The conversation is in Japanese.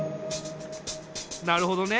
なるほどね。